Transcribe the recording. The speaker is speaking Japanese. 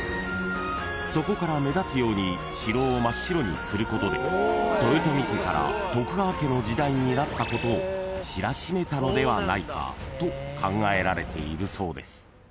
［そこから目立つように城を真っ白にすることで豊臣家から徳川家の時代になったことを知らしめたのではないかと考えられているそうです］